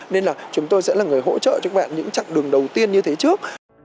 nên là chúng tôi sẽ là người hỗ trợ cho các bạn những chặng đường đầu tiên như thế trước